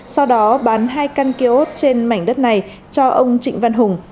sau đó bán hai căn kia ốt trên mảnh đất này cho ông trịnh văn hùng